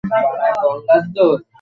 তিনি হাসপাতালে যেতে অস্বীকৃতি জানান।